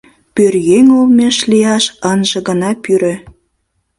— Пӧръеҥ олмеш лияш ынже гына пӱрӧ!